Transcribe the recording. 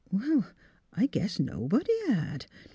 Well, I guess nobody had.